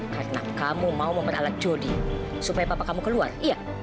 karena kamu mau memperalat jody supaya papa kamu keluar iya